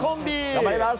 頑張ります！